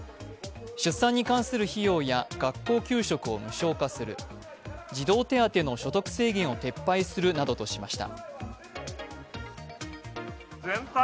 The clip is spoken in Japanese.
出産に関する費用や学校給食を無償化する、児童手当ての所得制限を撤廃するなどとしました。